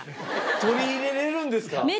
取り入れられるんですか？